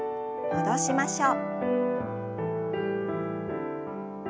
戻しましょう。